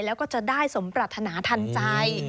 แล้วก็จะได้สมปรัฐนาทันใจ